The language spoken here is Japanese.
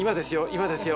今ですよ